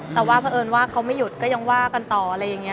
แต่ว่าเพราะเอิญว่าเขาไม่หยุดก็ยังว่ากันต่ออะไรอย่างนี้